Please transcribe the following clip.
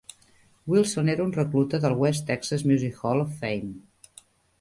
Wilson era un recluta del West Texas Music Hall Of Fame.